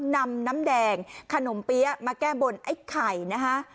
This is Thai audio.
นำน้ำแดงขนมเปี๊ยะมาแก้บนไอ้ไข่นะคะ